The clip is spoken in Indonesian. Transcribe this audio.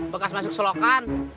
bekas masuk selokan